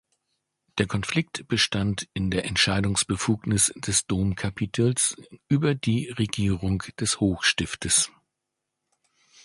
Der Konflikt bestand in der Entscheidungsbefugnis des Domkapitels über die Regierung des Hochstiftes.